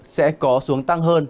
sẽ có xu hướng tăng hơn